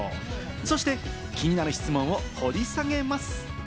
そして気になる質問を掘り下げます。